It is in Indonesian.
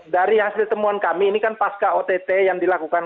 dari hasil temuan kami ini kan pasca ott yang dilakukan